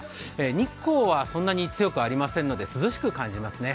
日光はそんなに強くありませんので、涼しく感じますね。